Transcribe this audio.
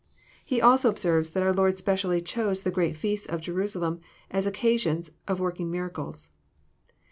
He also observes that our Lord specially chose the great feasts at Jerusalem as occasions of working miracles.